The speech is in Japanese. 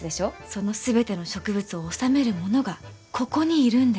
その全ての植物を修める者がここにいるんです。